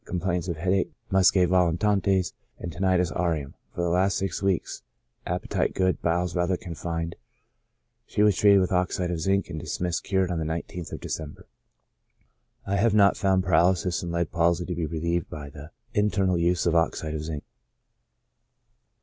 Complains of headache; niuscae volitantes, and tinnitus aurium, for the last six weeks ; appetite good, bowels rather confined ; she was treated with oxide of zinc, and dismissed cured on the 19th of December. I have not found paralysis and lead palsy to be relieved by the internal use of oxide of zinc.